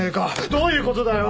どういう事だよ？